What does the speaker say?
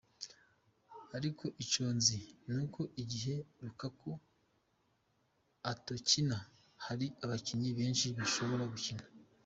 Ariko ico nzi nuko igihe Lukaku atokina, hari abakinyi benshi bashobora gukina.